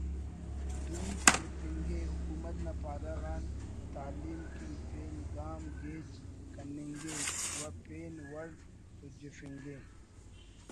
دوئی کرفنگے حکومت نا پارہ غان تعلیم کن پین گام گیج کننگے و پین وڑسجفنگے